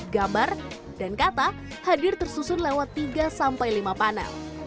gambar dan kata hadir tersusun lewat tiga sampai lima panel